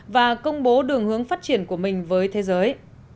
và công bố đường hướng phát triển của mình với thế giới